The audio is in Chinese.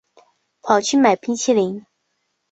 跑去买冰淇淋